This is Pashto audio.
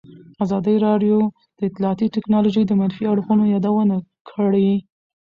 ازادي راډیو د اطلاعاتی تکنالوژي د منفي اړخونو یادونه کړې.